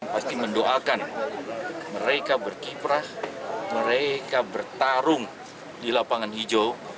pasti mendoakan mereka berkiprah mereka bertarung di lapangan hijau